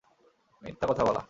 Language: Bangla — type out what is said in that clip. মিথ্যা কথা বলা।